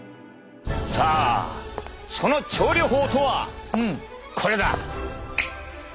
さあその調理法とはこれだ！